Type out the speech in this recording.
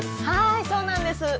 はいそうなんです。